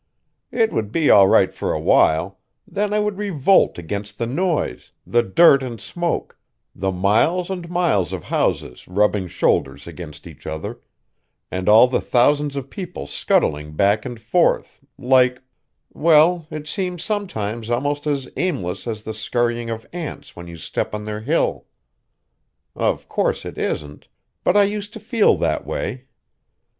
It would be all right for awhile, then I would revolt against the noise, the dirt and smoke, the miles and miles of houses rubbing shoulders against each other, and all the thousands of people scuttling back and forth, like well, it seems sometimes almost as aimless as the scurrying of ants when you step on their hill. Of course it isn't. But I used to feel that way.